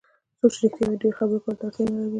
څوک چې رښتیا وایي ډېرو خبرو کولو ته اړتیا نه لري.